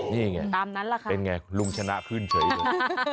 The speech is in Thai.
นี่ไงเป็นไงลุงชนะขึ้นเฉยเลย